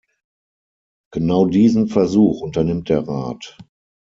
Genau diesen Versuch unternimmt der Rat.